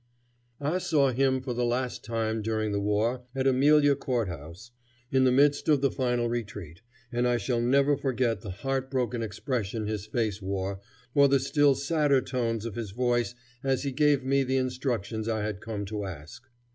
I saw him for the last time during the war, at Amelia Court House, in the midst of the final retreat, and I shall never forget the heart broken expression his face wore, or the still sadder tones of his voice as he gave me the instructions I had come to ask.